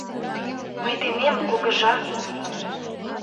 Мый денем, Кугыжа.